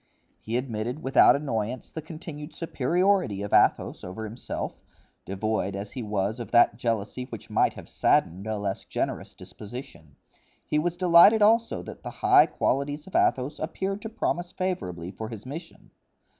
He admitted without annoyance the continued superiority of Athos over himself, devoid as he was of that jealousy which might have saddened a less generous disposition; he was delighted also that the high qualities of Athos appeared to promise favorably for his mission.